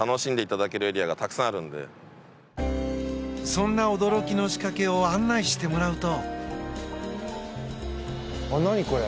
そんな驚きの仕掛けを案内してもらうと。